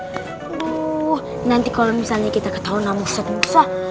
aduh nanti kalau misalnya kita ketahuan namu ustazah